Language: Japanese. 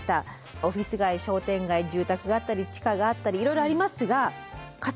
オフィス街商店街住宅があったり地下があったりいろいろありますが勝村さん